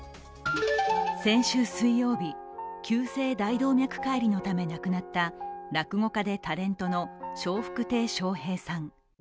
先週水曜日、急性大動脈解離のため亡くなった落語家でタレントの笑福亭笑瓶さん。